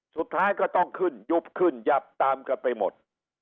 สุดท้ายก็ต้องขึ้นยุบขึ้นยับตามกันไปหมด